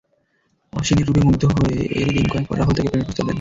অসিনের রূপে মুগ্ধ হয়ে এরই দিনকয়েক পরে রাহুল তাঁকে প্রেমের প্রস্তাব দেন।